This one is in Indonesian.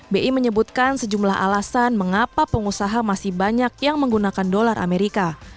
bi menyebutkan sejumlah alasan mengapa pengusaha masih banyak yang menggunakan dolar amerika